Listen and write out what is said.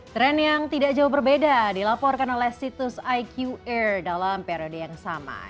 trend yang tidak jauh berbeda dilaporkan oleh situs iq air dalam periode yang sama